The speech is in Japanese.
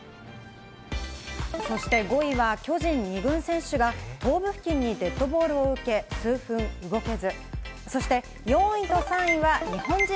そして５位は巨人二軍選手が頭部付近にデッドボールを受け、数分後、動けず。